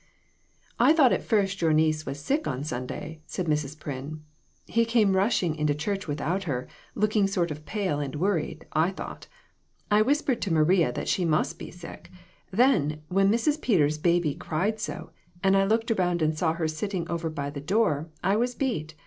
I THOUGHT at first your niece was sick on Sunday," said Mrs. Pryn. " He came rush ing into church without her, looking sort of pale and worried, I thought ; I whispered to Maria that she must be sick; then, when Mrs. Peters' baby cried so, and I looked around and saw her sit ting over by the door, I was beat.